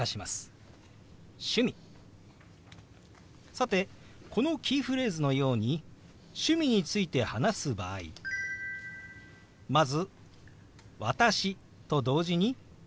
さてこのキーフレーズのように趣味について話す場合まず「私」と同時に軽くあごを下げます。